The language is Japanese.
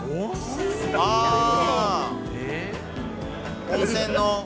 あー、温泉の。